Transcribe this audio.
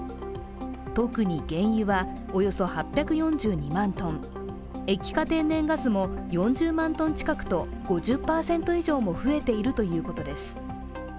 特に原油はおよそ８４２万ｔ、液化天然ガスも４０万トン近くと５０％以上も増えているということです。